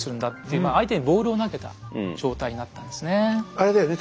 あれだよね